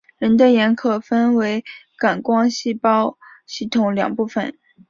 人的眼可分为感光细胞系统两部分。